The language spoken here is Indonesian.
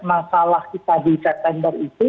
masalah kita di september itu